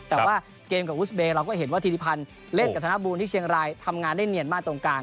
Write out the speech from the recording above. แต่ว่าเกมกับอุสเบย์เราก็เห็นว่าธิริพันธ์เล่นกับธนบูรณที่เชียงรายทำงานได้เนียนมากตรงกลาง